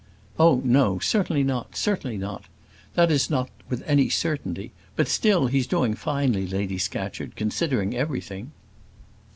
"Oh, no, certainly not, certainly not that is not with any certainty; but still he's doing finely, Lady Scatcherd, considering everything."